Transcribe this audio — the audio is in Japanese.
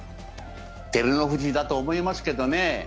照ノ富士だと思いますけどね。